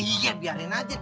lo tuh berhenti bang